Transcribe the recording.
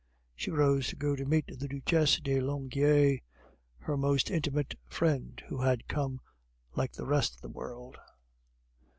She rose to go to meet the Duchesse de Langeais, her most intimate friend, who had come like the rest of the world.